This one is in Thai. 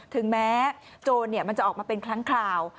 ถึงแม้โจรมันจะออกมาเป็นครั้งคราว